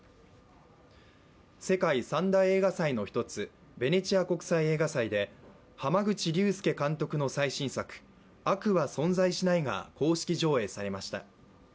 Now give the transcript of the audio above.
世界三大映画祭の一つ、ベネチア国際映画祭で濱口竜介監督の最新作「悪は存在しない」が公式上映されました。